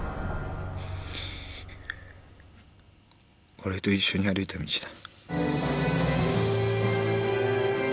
俺と一緒に歩いた道だ。